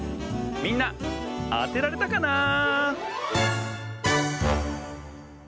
みんなあてられたかな？